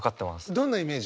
どんなイメージ？